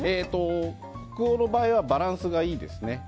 北欧の場合はバランスがいいですね。